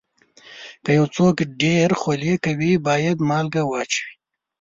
که یو څوک ډېر خولې کوي، باید مالګه واچوي.